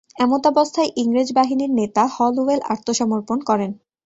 এমতাবস্থায় ইংরেজ বাহিনীর নেতা হলওয়েল আত্মসমর্পণ করেন।